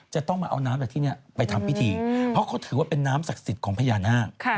จะต้องมาเอาน้ำจากที่นี้ไปทำพิธีเพราะเขาถือว่าเป็นน้ำศักดิ์สิทธิ์ของพญานาค